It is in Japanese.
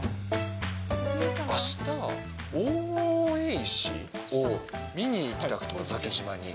あした、王位石を見にいきたくて、野崎島に。